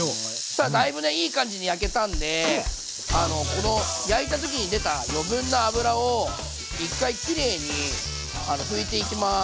さあだいぶねいい感じに焼けたんでこの焼いた時に出た余分な脂を一回きれいに拭いていきます。